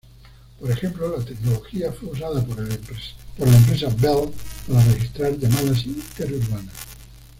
Por ejemplo, la tecnología fue usada por la empresa Bell para registrar llamadas interurbanas.